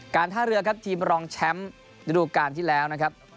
ท่าเรือครับทีมรองแชมป์ฤดูการที่แล้วนะครับ